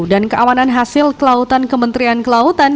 dan keawanan hasil kelautan kementerian kelautan